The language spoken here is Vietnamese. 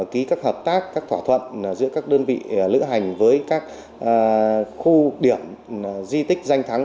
ký các hợp tác các thỏa thuận giữa các đơn vị lữ hành với các khu điểm di tích danh thắng